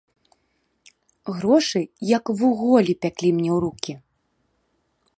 Грошы, як вуголлі, пяклі мне рукі.